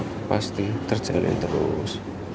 iya iya pasti terjalin terus